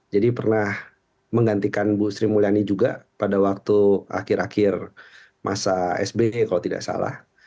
jadi pernah menggantikan ibu sri mulyani juga pada waktu akhir akhir masa sbe kalau tidak salah